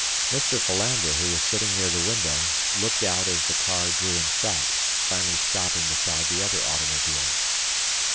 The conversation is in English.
Mr. Philander, who was sitting near the window, looked out as the car drew in sight, finally stopping beside the other automobiles.